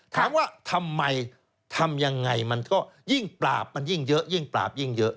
ถามว่าทำไมทำยังไงมันก็ยิ่งปราบมันยิ่งเยอะยิ่งปราบยิ่งเยอะ